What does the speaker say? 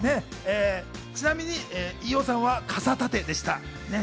ちなみに飯尾さんは傘立てでした。